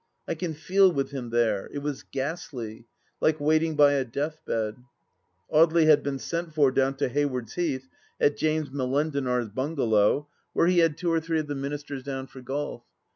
I can feel with him there ; it was ghastly ; like waiting by a death bed. ... Audely had been sent for down to Hayward's Heath, at James Molendiiiar's bungalow, where he had two or three THE LAST DITCH 807 of the Ministers down for golf.